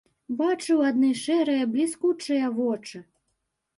Бачыў адны шэрыя бліскучыя вочы.